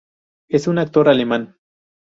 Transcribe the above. Es un actor alemán.